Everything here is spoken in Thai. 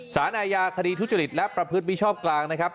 สารอาญาคดีทุจริตและประพฤติมิชอบกลางนะครับ